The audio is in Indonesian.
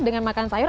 dengan makan sayur